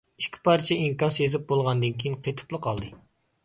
ئىككى پارچە ئىنكاس يېزىپ بولغاندىن كېيىن قېتىپلا قالدى.